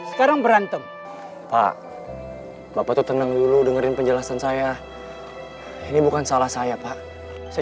sekarang berantem pak bapak tuh tenang dulu dengerin penjelasan saya ini bukan salah saya pak saya